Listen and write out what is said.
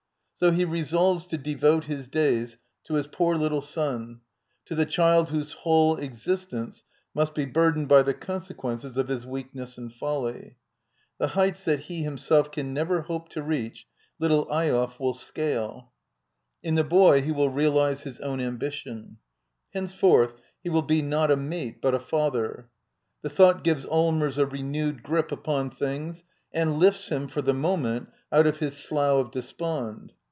So he resolves to devote his days to his poor little son, to the child whose whole ex istence must be burdened by the consequences of his weakness and folly. The heights that he himself can never hope to reach. Little Eyolf will scale. In d by Google Yi^ INTRODUCTION <«, the boy he will realize his own ambition. Hence ^/ forth he will be, not a mate, but a father. The j thought gives Allmers a renewed grip upon things I and lifts him, for the moment, out of his slough of \ despond.